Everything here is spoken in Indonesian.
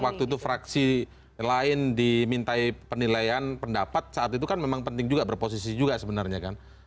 waktu itu fraksi lain dimintai penilaian pendapat saat itu kan memang penting juga berposisi juga sebenarnya kan